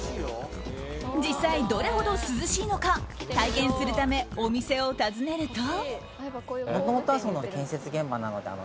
実際、どれほど涼しいのか体験するため、お店を訪ねると。